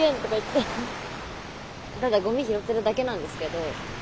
ただゴミ拾ってるだけなんですけど。